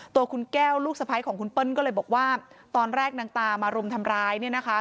ตัวคุณแก้วลูกสะพ้ายของคุณเปิ้ลก็เลยบอกว่าตอนแรกนางตามารุมทำร้ายเนี่ยนะคะ